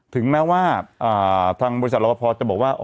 ถึงแม้ว่าทางบริษัทรปภจะบอกว่า